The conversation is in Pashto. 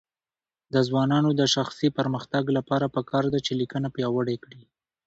د ځوانانو د شخصي پرمختګ لپاره پکار ده چې لیکنه پیاوړې کړي.